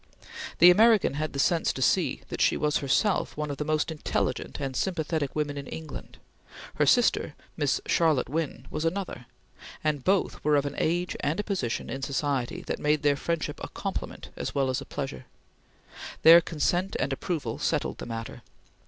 The American had the sense to see that she was herself one of the most intelligent and sympathetic women in England; her sister, Miss Charlotte Wynn, was another; and both were of an age and a position in society that made their friendship a compliment as well as a pleasure. Their consent and approval settled the matter.